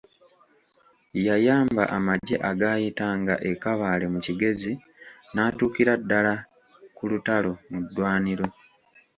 Yayamba amagye agaayitanga e Kabale mu Kigezi, n'atuukira ddala ku lutalo mu ddwaniro.